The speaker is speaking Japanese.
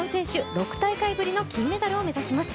６大会ぶりの金メダルを目指します。